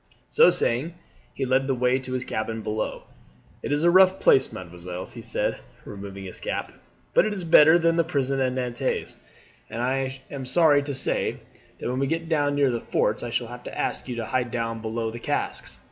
So saying he led the way to his cabin below. "It is a rough place, mesdemoiselles," he said, removing his cap, "but it is better than the prisons at Nantes. I am sorry to say that when we get down near the forts I shall have to ask you to hide down below the casks.